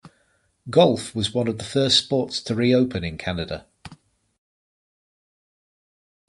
Golf was one of the first sports to reopen in Canada.